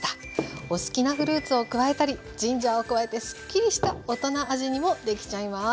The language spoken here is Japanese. お好きなフルーツを加えたりジンジャーを加えてすっきりした大人味にもできちゃいます。